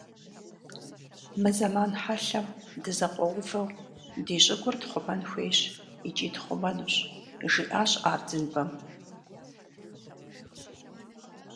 - Мы зэман хьэлъэм, дызэкъуэувэу, ди щӀыгур тхъумэн хуейщ икӀи тхъумэнущ, - жиӏащ Ардзинбэм.